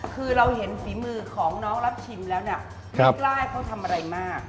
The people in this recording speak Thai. คือเราเห็นฝีมือของน้องรับชิมแล้วเนี่ยไม่กล้าให้เขาทำอะไรมาก